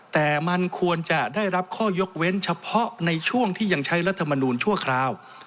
แต่มันควรจะได้รับข้อยกเว้นเฉพาะในช่วงที่ยังใช้รัฐมนูลชั่วคราว